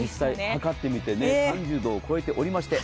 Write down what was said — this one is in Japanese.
測ってみて３０度を超えておりました。